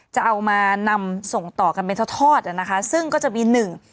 จะเอามานำส่งต่อกันเป็นทอดทอดอ่ะนะคะซึ่งก็จะมีหนึ่ง